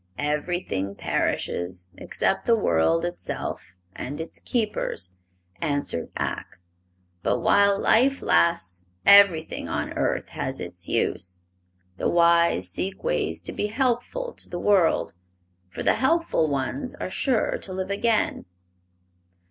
"Everything perishes except the world itself and its keepers," answered Ak. "But while life lasts everything on earth has its use. The wise seek ways to be helpful to the world, for the helpful ones are sure to live again."